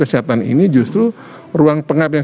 kesihatan ini justru ruang pengab yang